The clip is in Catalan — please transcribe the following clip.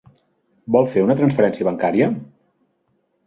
Vol fer una transferència bancària?